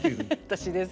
私ですか？